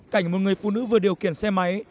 cảnh một người phụ nữ vừa điều khiển xe máy